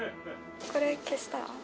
これ消したら？